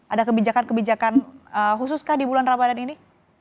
ada kebijakan kebijakan khusus kah di bulan ramadan ini